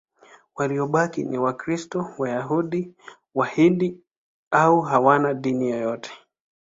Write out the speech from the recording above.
Waliobaki ni Wakristo, Wayahudi, Wahindu au hawana dini yote.